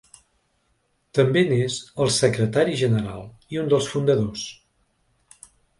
També n’és el secretari general i un dels fundadors.